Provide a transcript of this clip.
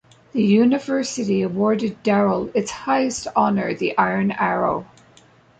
The University awarded Daryl its highest honor, the Iron Arrow.